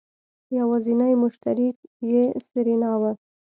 يوازينی مشتري يې سېرېنا وه.